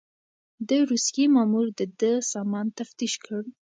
د روسيې مامور د ده سامان تفتيش کړ.